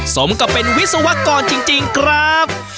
สมกับเป็นวิศวกรจริงครับ